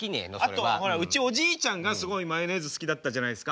あとほらうちおじいちゃんがすごいマヨネーズ好きだったじゃないですか。